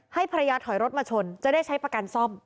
ให้ภรรยาถอยรถมาชนจะได้ใช้ประกันซ่อม